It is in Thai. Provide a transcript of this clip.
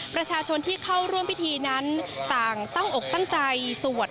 ประชาชนที่เข้าร่วมพิธีนั้นต่างตั้งอกตั้งใจสวด